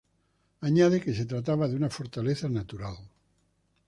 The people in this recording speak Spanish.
Añade que se trataba de una fortaleza natural.